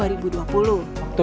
itu dulu awal banget di jakarta